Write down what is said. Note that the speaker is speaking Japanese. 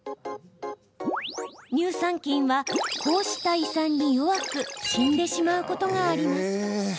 乳酸菌は、こうした胃酸に弱く死んでしまうことがあります。